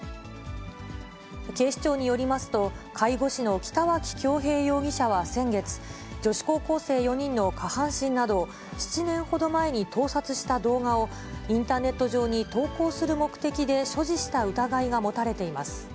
警視庁によりますと、介護士の北脇恭平容疑者は先月、女子高校生４人の下半身などを７年ほど前に盗撮した動画を、インターネット上に投稿する目的で所持した疑いが持たれています。